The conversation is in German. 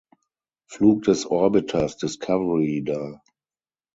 Flug des Orbiters Discovery dar.